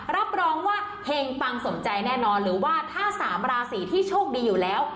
รับรองว่าเฮงปังสมใจแน่นอนหรือว่าถ้าสามราศีที่โชคดีอยู่แล้ว